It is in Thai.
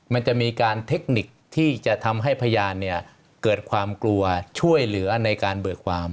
มันจะมีการเทคนิคที่จะทำให้พยานเกิดความกลัวช่วยเหลือในการเบิกความ